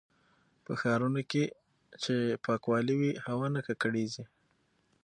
په ښارونو کې چې پاکوالی وي، هوا نه ککړېږي.